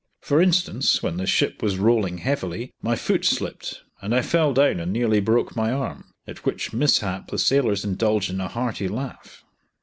For instance, when the ship was rolling heavily my foot slipped and I fell down and nearly broke my arm, at which mishap the sailors indulged in a hearty laugh.